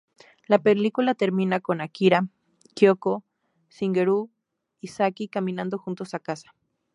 La película termina con Akira, Kyōko, Shigeru y Saki caminando juntos a casa.